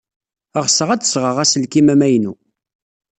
Ɣseɣ ad d-sɣeɣ aselkim amaynu.